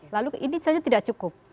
lalu ini saja tidak cukup